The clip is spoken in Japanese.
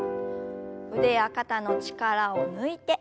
腕や肩の力を抜いて。